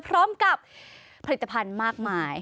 พร้อมกับผลิตภัณฑ์มากมาย